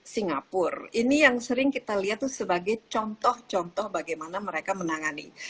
singapura ini yang sering kita lihat sebagai contoh contoh bagaimana mereka menangani